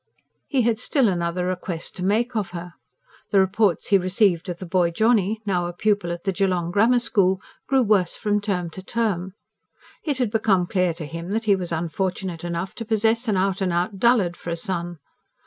He had still another request to make of her. The reports he received of the boy Johnny, now a pupil at the Geelong Grammar School, grew worse from term to term. It had become clear to him that he was unfortunate enough to possess an out and out dullard for a son.